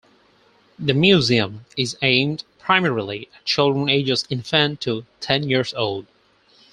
The museum is aimed primarily at children ages infant to ten years old.